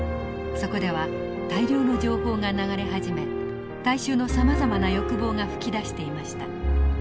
そこでは大量の情報が流れ始め大衆のさまざまな欲望が噴き出していました。